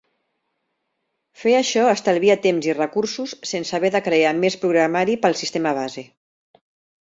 Fer això estalvia temps i recursos sense haver de crear més programari pel sistema base.